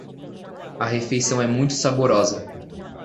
A refeição é muito saborosa.